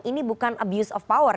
ini bukan abuse of power